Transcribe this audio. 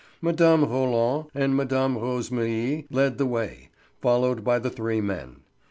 Mme. Roland and Mme. Rosémilly led the way, followed by the three men.